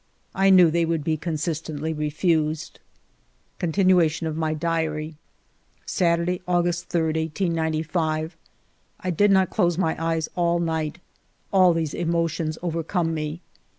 I knew they would be consistently refused. Continuation of my Diary Saturday^ August 3, 1895. I did not close my eyes all night. All these emotions overcome me.